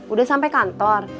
udah sampai kantor